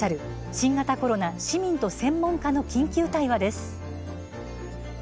「新型コロナ市民と専門家の緊急対話」です。